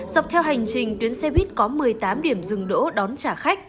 dọc theo hành trình tuyến xe buýt có một mươi tám điểm dừng đỗ đón trả khách